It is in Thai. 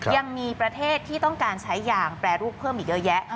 ยังมีประเทศที่ต้องการใช้ยางแปรรูปเพิ่มอีกเยอะแยะ